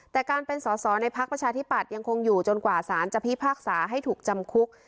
แต่การเป็นสอสอในพักประชาธิปัตย์ยังคงอยู่จนกว่าสารจะพิพากษาให้ถูกจำคุก